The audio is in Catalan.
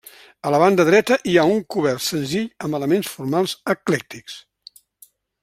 A la banda dreta hi ha un cobert senzill amb elements formals eclèctics.